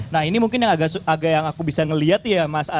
nah ini mungkin yang agak yang aku bisa ngelihat ya mas arya atau mas bijie